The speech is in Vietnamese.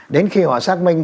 đến khi họ xác minh